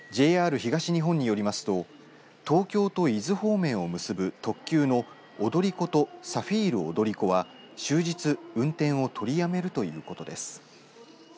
ＪＲ東日本によりますと東京と伊豆方面を結ぶ特急の踊り子とサフィール踊り子は終日運転を取りやめるということです。